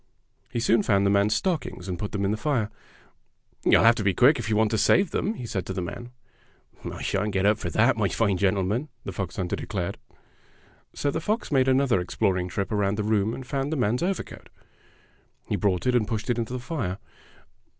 He soon found the man's stockings and put them in the fire. "You'll have to be quick if you want to save them," he said to the man. "I shan't get up for that, my fine gentle man," the fox hunter declared. So the fox made another exploring trip around the room and found the man's over coat. He brought it and pushed it into the fire.